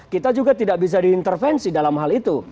kita juga tidak bisa diintervensi dalam hal itu